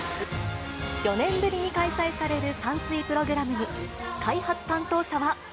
４年ぶりに開催される散水プログラムに、開発担当者は。